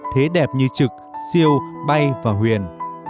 thế đẹp như trực siêu bay và huyền